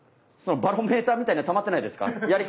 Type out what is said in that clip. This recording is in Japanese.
バロメーターみたいなのたまってないですか？